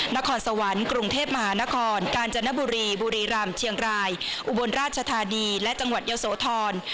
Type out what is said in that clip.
นครสวรรค์กรุงเทพมหานครกาญจนบุรีบุรีรำเชียงรายอุบลราชธานีและจังหวัดเยอะโสธร